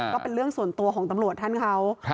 ก็เป็นเรื่องส่วนตัวของตำรวจท่านเขา